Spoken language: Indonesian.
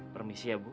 permisi ya bu